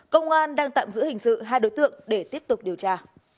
công an đang tạm giữ hình sự hai đối tượng để tiếp tục điều tra